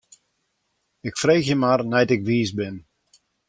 Ik freegje mar nei't ik wiis bin.